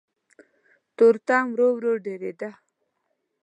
تورتم ورو ورو ډېرېده.